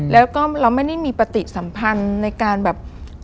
แล้วก็เราไม่ได้มีปฏิสัมพันธ์ในการแบบ